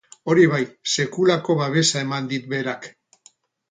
Hori bai, sekulako babesa eman dit berak.